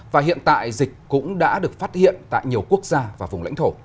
và hiện tại dịch cũng đã được phát hiện tại nhiều quốc gia và vùng lãnh thổ